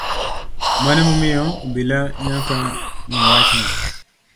Mano emomiyo nyaka obila ng’I wachno